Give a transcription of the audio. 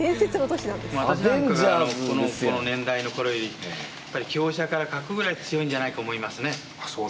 私なんかがこの年代の頃よりやっぱり香車から角ぐらい強いんじゃないと思いますね。